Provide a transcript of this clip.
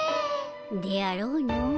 であろうの。